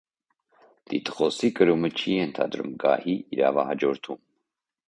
Տիտղոսի կրումը չի ենթադրում գահի իրավահաջորդում։